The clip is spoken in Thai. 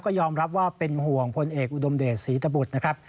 ก็ยอมรับว่าเป็นห่วงพลเอกอุดมเดชศรีตบุตรนะครับ